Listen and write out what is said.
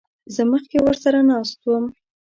زه مخکې ورسره ناست وم.